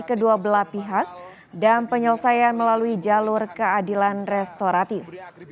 kedua belah pihak dan penyelesaian melalui jalur keadilan restoratif